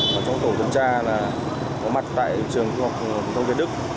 bốn đồng chí trong tổ chức tra có mặt tại trường thu học thông viên đức